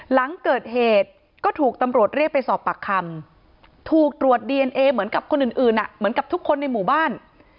หลังเกิดเหตุก็ถูกตำรวจเรียกไปสอบปากคำถูกตรวจดีเอนเอเหมือนกับคนอื่นเหมือนกับทุกคนในหมู่บ้าน